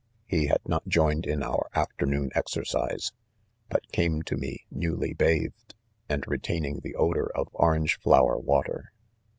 .He. had not joined in our afternoon exercise 3 but came d2 76 IDOM EN. to me newly bathed, and retaining the odor of orange flower water.